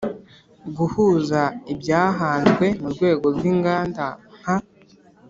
guhuza ibyahanzwe mu rwego rw inganda nka